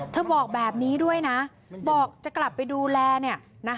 บอกแบบนี้ด้วยนะบอกจะกลับไปดูแล